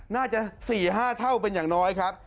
น่าจะ๔๕เท่าเป็นอย่างน้อยครับ